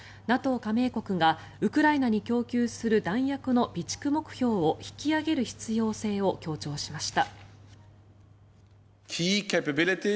加盟国がウクライナに供給する弾薬の備蓄目標を引き上げる必要性を強調しました。